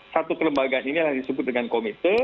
satu kelembagaan ini yang disebut dengan komite